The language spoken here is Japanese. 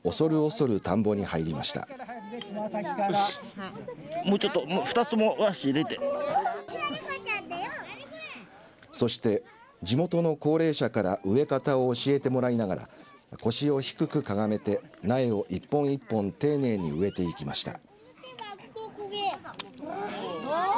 そして、地元の高齢者から植え方を教えてもらいながら腰を低くかがめて苗を１本１本、丁寧に植えていきました。